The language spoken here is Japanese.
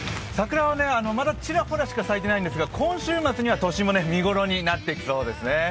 桜はまだちらほらしか咲いていないんですが、今週末には都心も見頃になってきそうですね。